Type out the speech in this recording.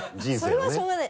それはしょうがない